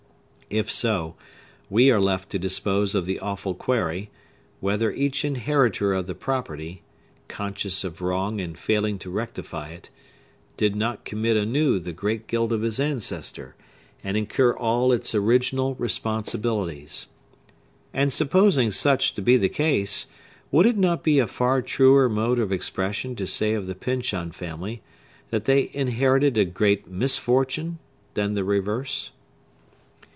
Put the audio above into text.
If so, we are left to dispose of the awful query, whether each inheritor of the property—conscious of wrong, and failing to rectify it—did not commit anew the great guilt of his ancestor, and incur all its original responsibilities. And supposing such to be the case, would it not be a far truer mode of expression to say of the Pyncheon family, that they inherited a great misfortune, than the reverse?